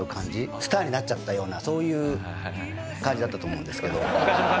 スターになっちゃったようなそういう感じだったと思うんですけど。